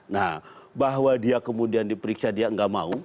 nah bahwa dia kemudian diperiksa dia nggak mau